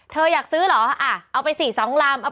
อยากซื้อเหรอเอาไป๔๒ลำ